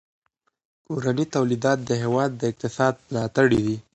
کورنۍ تولیدات د هیواد د اقتصاد ملا تړي دي.